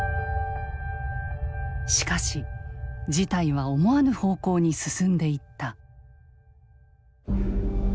しかし事態は思わぬ方向に進んでいった。